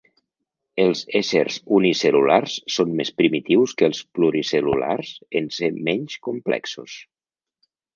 Els éssers unicel·lulars són més primitius que els pluricel·lulars en ser menys complexos.